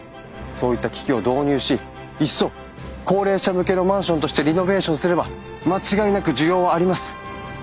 そういった機器を導入しいっそ高齢者向けのマンションとしてリノベーションすれば間違いなく需要はあります。